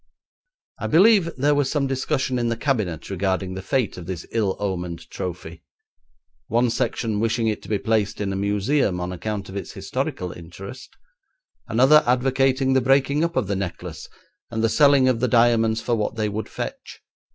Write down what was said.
I believe there was some discussion in the Cabinet regarding the fate of this ill omened trophy, one section wishing it to be placed in a museum on account of its historical interest, another advocating the breaking up of the necklace and the selling of the diamonds for what they would fetch.